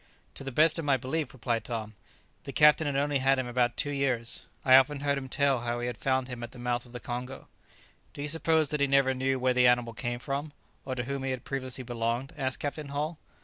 "To the best of my belief," replied Tom, "the captain had only had him about two years. I often heard him tell how he found him at the mouth of the Congo." "Do you suppose that he never knew where the animal came from, or to whom he had previously belonged?" asked Captain Hull.